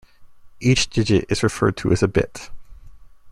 Each digit is referred to as a bit.